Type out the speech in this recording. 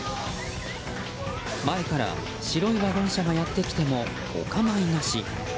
前から白いワゴン車がやってきても、おかまいなし。